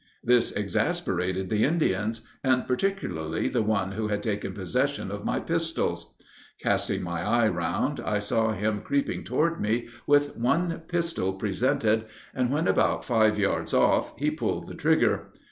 This exasperated the Indians, and particularly the one who had taken possession of my pistols. Casting my eye round, I saw him creeping toward me with one pistol presented, and when about five yards off, he pulled the trigger.